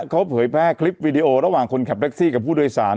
เขาเผยแพร่คลิปวิดีโอระหว่างคนขับแท็กซี่กับผู้โดยสาร